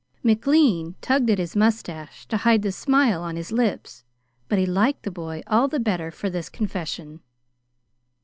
McLean tugged at his mustache to hide the smile on his lips, but he liked the boy all the better for this confession.